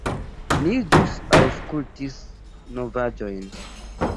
Ni ĵus aŭskultis novaĵojn.